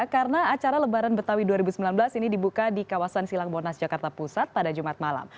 karena acara lebaran betawi dua ribu sembilan belas ini dibuka di kawasan silang monas jakarta pusat pada jumat malam